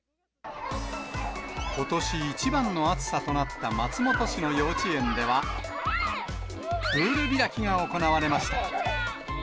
ことし一番の暑さとなった松本市の幼稚園では、プール開きが行われました。